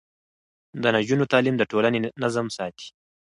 د نجونو تعليم د ټولنې نظم ساتي.